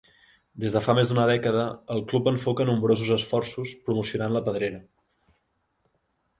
Des de fa més d'una dècada, el club enfoca nombrosos esforços promocionant la pedrera.